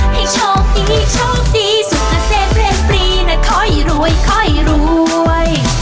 ให้โชคดีโชคดีสุขเซ็นเพลงปรีนะคอยรวยคอยรวย